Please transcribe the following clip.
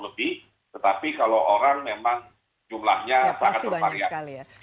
tetapi kalau orang memang jumlahnya sangat banyak